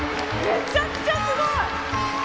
めちゃくちゃすごい！